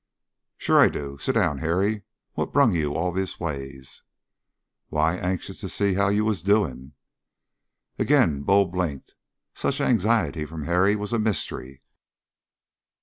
"Sure I do. Sit down, Harry. What brung you all this ways?" "Why, anxious to see how you was doing." Again Bull blinked. Such anxiety from Harry was a mystery.